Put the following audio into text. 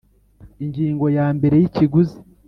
Ingingo ya mbere y Ikiguzi